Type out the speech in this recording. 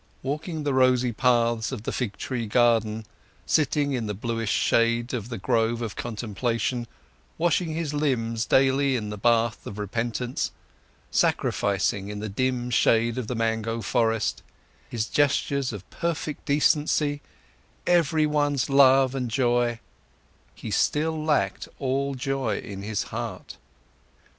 Walking the rosy paths of the fig tree garden, sitting in the bluish shade of the grove of contemplation, washing his limbs daily in the bath of repentance, sacrificing in the dim shade of the mango forest, his gestures of perfect decency, everyone's love and joy, he still lacked all joy in his heart.